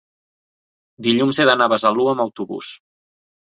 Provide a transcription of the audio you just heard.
dilluns he d'anar a Besalú amb autobús.